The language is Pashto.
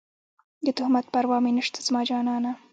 د تهمت پروا مې نشته زما جانانه